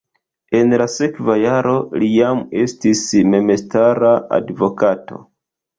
En la sekva jaro li jam estis memstara advokato.